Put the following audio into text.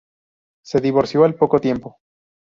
Se divorció al poco tiempo.